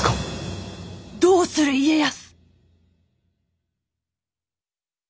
どうする家康！